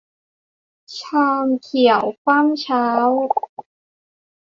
ชามเขียวคว่ำเช้า